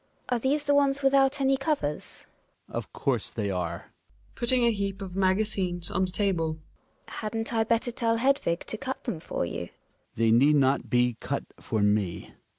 Are these the ones without any covers ? Hjalmar. Of course they are. GiNA {putting a heap of magazines on the table). Hadn't 1 better tell Hedvig to cut them for you ? Hjalmar. They need not be cut for me.